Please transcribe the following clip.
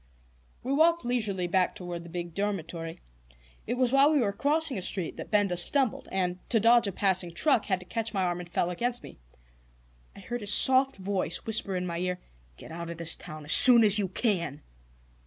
We walked leisurely back toward the big dormitory. It was while we were crossing a street that Benda stumbled, and, to dodge a passing truck, had to catch my arm, and fell against me. I heard his soft voice whisper in my ear: "Get out of this town as soon as you can!"